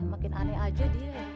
makin aneh aja dia